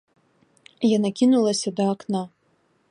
Яна кінулася да акна.